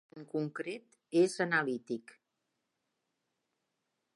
En concret, és analític.